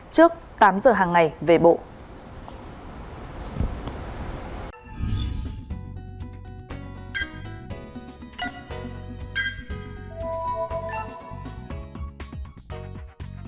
trước tám giờ hàng ngày về bộ